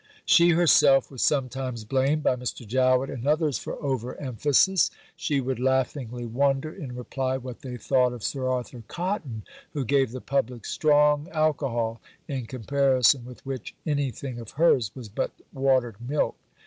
She herself was sometimes blamed, by Mr. Jowett and others, for over emphasis. She would laughingly wonder in reply what they thought of Sir Arthur Cotton who gave the public "strong alcohol," in comparison with which anything of hers was but "watered milk."